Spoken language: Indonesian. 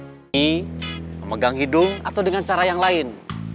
ini memegang hidung atau dengan cara yang lain